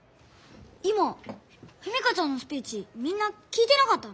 今史佳ちゃんのスピーチみんな聞いてなかったの？